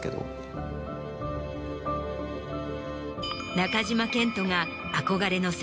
中島健人が憧れの先輩